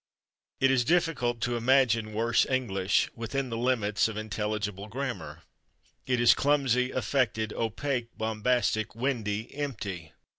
It is difficult to imagine worse English, within the limits of intelligible grammar. It is clumsy, affected, opaque, bombastic, windy, empty.